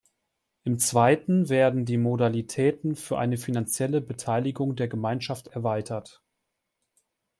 Im zweiten werden die Modalitäten für eine finanzielle Beteiligung der Gemeinschaft erweitert.